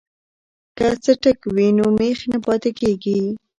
که څټک وي نو میخ نه پاتې کیږي.